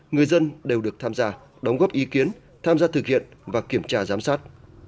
người dân đều được tham gia đóng góp ý kiến tham gia thực hiện và kiểm tra giám sát